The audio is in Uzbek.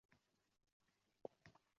O’lkasini kezardi xayol